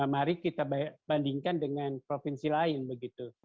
mari kita bandingkan dengan provinsi lain begitu